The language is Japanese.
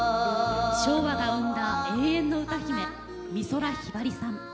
昭和が生んだ永遠の歌姫美空ひばりさん。